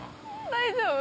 大丈夫？